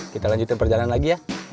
kita lanjutkan perjalanan lagi ya